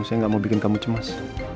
saya nggak mau bikin kamu cemas